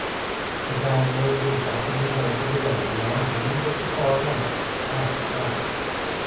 The cowboys were backing their horses away beyond range of the car lamps, out of sight.